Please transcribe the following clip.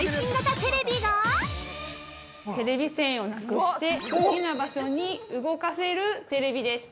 ◆テレビ線をなくして、好きな場所に動かせる、テレビでした。